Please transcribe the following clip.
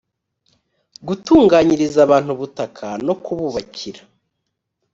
gutunganyiriza abantu ubutaka no kububakira